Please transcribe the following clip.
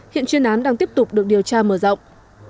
hiện chuyên án đang tiếp tục được điều tra mở rộng